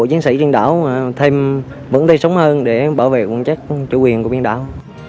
chiến sĩ trên đảo thêm vững tay súng hơn để bảo vệ quần chắc chủ quyền của biển đảo